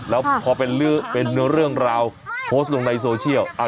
แล้วพอเป็นเรื่องราวโพสต์ลงในโซเชียล